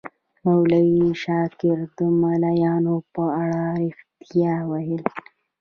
مولوي شاکر د ملایانو په اړه ریښتیا ویل.